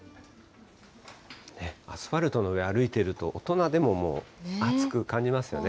アスファルトの上、歩いていると大人でももう暑く感じますよね。